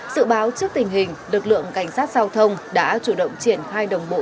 sự báo trước tình hình lực lượng cảnh sát giao thông đã chủ động triển khai đồng bộ